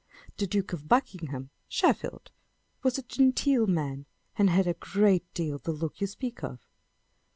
The Duke of Buckingham (Sheffield1) was a genteel man, and had a great deal the look you speak of.